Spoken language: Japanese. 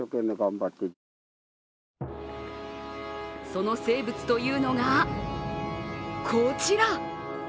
その生物というのがこちら。